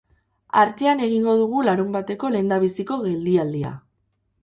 Artean egingo dugu larunbateko lehendabiziko geldialdia.